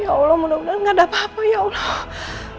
ya allah mudah mudahan gak ada apa apa ya allah